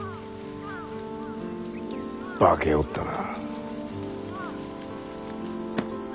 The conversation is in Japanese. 化けおったな。